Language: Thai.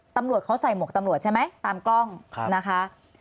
ตำรวจเขาใส่หมวกตำรวจใช่ไหมตามกล้องนะคะ